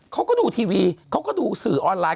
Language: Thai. เขาก็ดูทีวีเขาก็ดูสื่อออนไลน